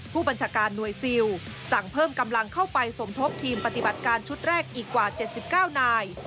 ผู้บัญชาการหน่วยซิลสั่งเพิ่มกำลังเข้าไปสมทบทีมปฏิบัติการชุดแรกอีกกว่า๗๙นาย